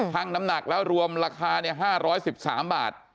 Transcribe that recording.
ทั้งน้ำหนักแล้วรวมราคาเนี่ย๕๑๓บาท